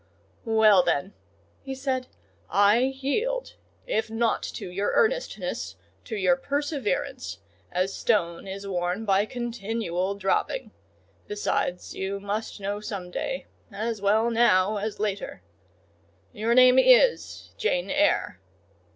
"Well, then," he said, "I yield; if not to your earnestness, to your perseverance: as stone is worn by continual dropping. Besides, you must know some day,—as well now as later. Your name is Jane Eyre?"